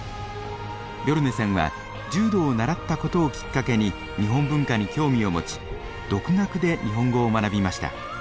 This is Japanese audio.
ビョルネさんは柔道を習ったことをきっかけに日本文化に興味を持ち独学で日本語を学びました。